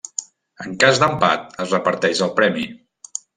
En cas d'empat es reparteix el premi.